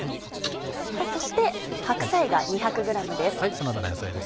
そして白菜が２００ｇです。